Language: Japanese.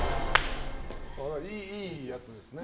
いいやつですね。